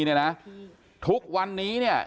ทั้งวันนี้เนี่ย